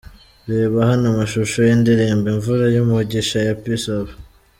Reba hano amashusho y'indirimbo 'Imvura y'umugisha ya Peace Up.